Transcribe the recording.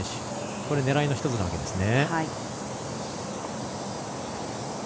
これ、狙いの１つなわけですね。